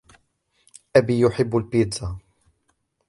أبي يحب البيتزا.